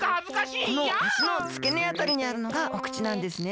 このあしのつけねあたりにあるのがお口なんですね。